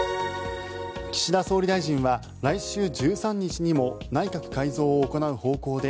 岸田総理大臣は来週１３日にも内閣改造を行う方向で